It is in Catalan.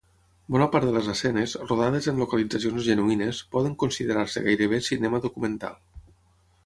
Bona part de les escenes, rodades en localitzacions genuïnes, poden considerar-se gairebé cinema documental.